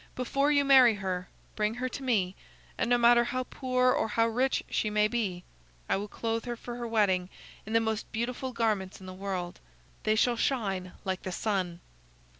Before you marry her, bring her to me, and no matter how poor or how rich she may be, I will clothe her for her wedding in the most beautiful garments in the world. They shall shine like the sun."